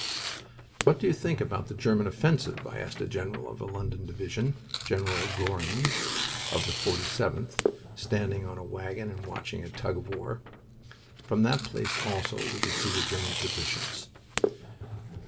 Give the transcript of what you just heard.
"What do you think about this German offensive?" I asked the general of a London division (General Gorringe of the 47th) standing on a wagon and watching a tug of war. From that place also we could see the German positions.